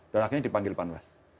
dan akhirnya dipanggil panwas